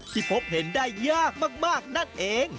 พบเห็นได้ยากมากนั่นเอง